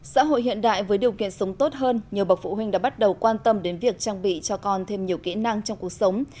xã hội hiện đại với điều kiện sống tốt hơn nhiều bậc phụ huynh đã bắt đầu quan tâm đến việc trang bị cho con thêm nhiều kỹ năng trong cuộc sống